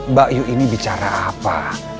mbak yu ini bicara apa